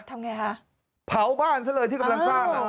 ทำไงฮะเผาบ้านซะเลยที่กำลังสร้าง